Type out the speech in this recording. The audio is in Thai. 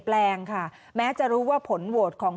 คุณสิริกัญญาบอกว่า๖๔เสียง